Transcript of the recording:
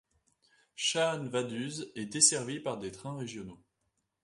Schaan - Vaduz est desservie par des trains régionaux.